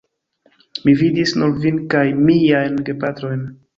Mi vidis nur vin kaj miajn gepatrojn.